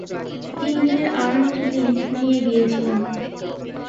তিনদিনের আর্নড লীত নিয়ে গিয়েছিলেন।